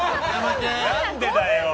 何でだよ。